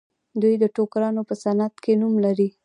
دوی د ټوکرانو په صنعت کې نوم لري.